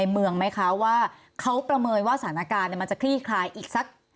เมืองไหมคะว่าเขาประเมินว่าสถานการณ์มันจะคลี่คลายอีกสัก